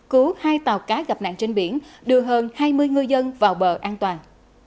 cứu hai tàu cá gặp nạn trên biển đưa hơn hai mươi ngư dân vào bờ an toàn